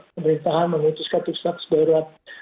pemerintahan memutuskan status darurat